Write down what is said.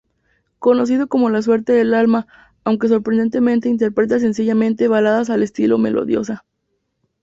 Conocido como la surte del alma, aunque sorprendentemente interpreta sencillamente baladas al estilo melodiosa.